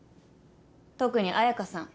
特に綾香さん。